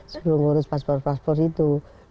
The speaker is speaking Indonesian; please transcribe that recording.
sebelum ngurus paspor paspor itu